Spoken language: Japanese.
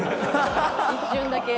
一瞬だけ。